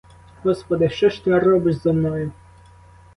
Господи, що ж ти робиш зо мною?!